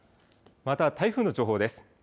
また台風の情報です。